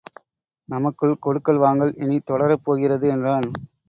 நமக்குள் கொடுக்கல் வாங்கல் இனித் தொடரப்போகிறது என்றான்.